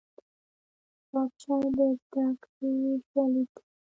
کتابچه د زدکړې شاليد دی